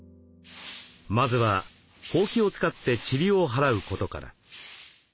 まずはほうきを使ってちりを払うことから。